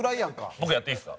僕やっていいですか？